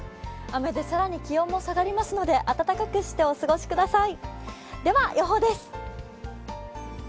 雨で更に気温も下がりますので温かくしてお過ごしください。